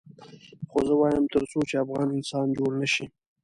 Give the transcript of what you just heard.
خو زه وایم تر څو چې افغان انسان جوړ نه شي.